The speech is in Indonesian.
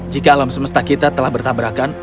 jika alam semesta kita telah bertabrakan